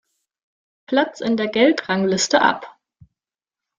Platz in der Geldrangliste ab.